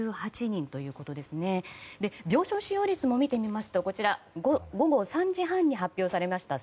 病床使用率も見てみますと午後３時半に発表されました